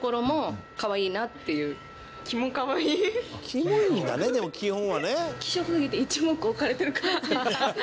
「キモいんだねでも基本はね」